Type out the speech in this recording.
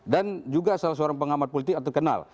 dan juga salah seorang pengamat politik atau kenal